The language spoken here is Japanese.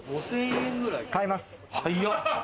５０００円くらい。